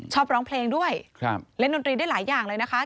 ชอบร้องเพลงด้วยเล่นดนตรีได้หลายอย่างเลยนะคะ